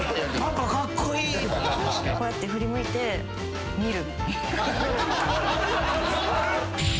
こうやって振り向いて見る。